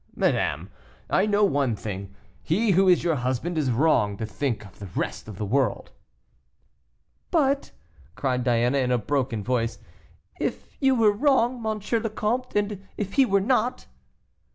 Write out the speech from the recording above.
madame, I know one thing; he who is your husband is wrong to think of the rest of the world." "But!" cried Diana, in a broken voice, "if you were wrong, M. le Comte, and if he were not."